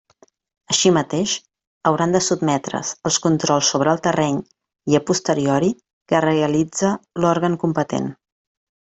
Així mateix, hauran de sotmetre's als controls sobre el terreny i a posteriori que realitze l'òrgan competent.